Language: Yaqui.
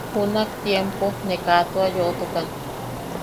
Junak tiempo ne ka tua yoʼotukan.